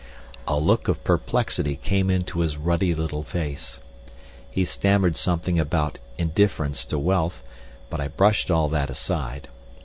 A look of perplexity came into his ruddy little face. He stammered something about indifference to wealth, but I brushed all that aside.